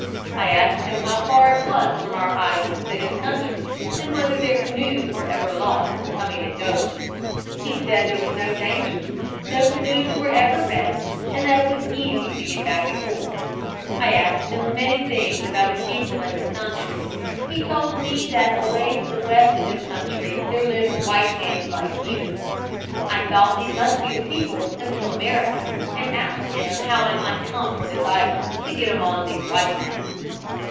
"I asked him how far it was from our island to his country and whether their canoes were ever lost in coming and going. He said that there was no danger. No canoes were ever wrecked and that it was easy to get back and forth. I asked him many things about his people and country. He told me that away to the west of his country there lived 'white mans like you.' I thought these must be the people of Central America, and asked him how I might come from this island and get among these white men.